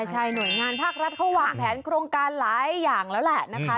ใช่หน่วยงานภาครัฐเขาวางแผนโครงการหลายอย่างแล้วแหละนะคะ